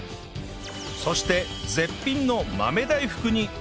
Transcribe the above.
そして絶品の豆大福に